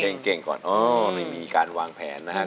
เพลงเก่งก่อนอ๋อไม่มีการวางแผนนะฮะ